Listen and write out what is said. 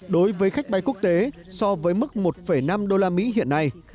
đối với khách bay quốc tế so với mức một năm usd hiện nay